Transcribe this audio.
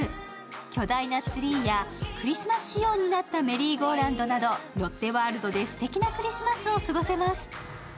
巨大なツリーやクリスマス仕様になったメリーゴーランドなどロッテワールドですてきなクリスマスを過ごせます。